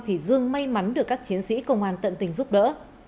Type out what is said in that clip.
thì dương may mắn được các chiến sĩ công an tận tình giúp đỡ